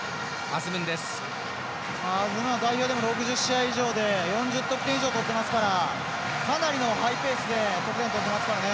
アズムンは６０試合以上で４０得点以上、取っていますからかなりのハイペースで得点を取っていますからね。